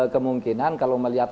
kemungkinan kalau melihat